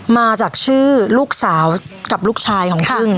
มาจากชื่อลูกสาวกับลูกชายของพึ่ง